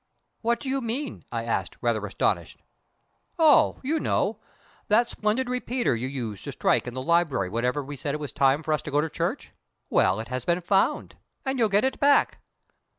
"What do you mean?" I asked, rather astonished. "Oh, you know! That splendid repeater you used to strike in the library whenever we said it was time for us to go into church. Well, it has been found, and you'll get it back."